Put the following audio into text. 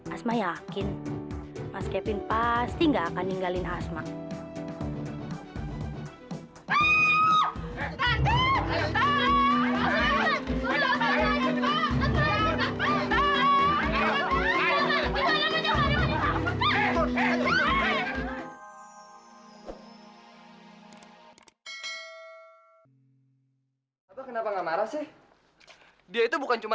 asma yakin mas kevin pasti nggak akan ninggalin asma kenapa nggak marah sih dia itu bukan cuma